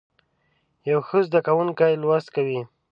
یو ښه زده کوونکی لوست کوي.